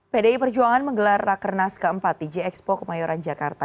pdi perjuangan menggelar rakernas keempat di gxpo kemayoran jakarta